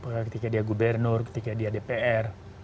ketika dia gubernur ketika dia dpr